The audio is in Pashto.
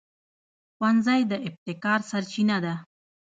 ښوونځی د ابتکار سرچینه ده